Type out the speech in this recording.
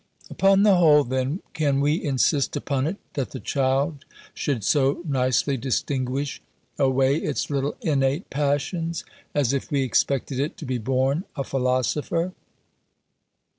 Upon the whole, then, can we insist upon it, that the child should so nicely distinguish away its little innate passions, as if we expected it to be born a philosopher?